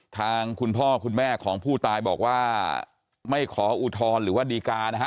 ทางคุณพ่อคุณแม่ของผู้ตายบอกว่าไม่ขออุทธรณ์หรือว่าดีการนะฮะ